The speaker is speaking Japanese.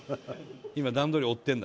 今段取り追ってるんだね。